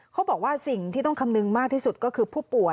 เขาบอกว่าสิ่งที่ต้องคำนึงมากที่สุดก็คือผู้ป่วย